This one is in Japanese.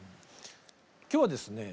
今日はですね